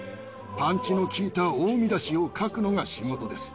パンチの効いた大見出しを書くのが仕事です。